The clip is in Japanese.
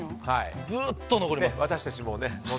ずっと残ります。